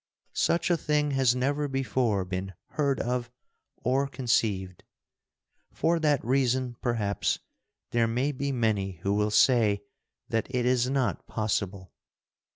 Such a thing has never before been heard of or conceived. For that reason perhaps there may be many who will say that it is not possible.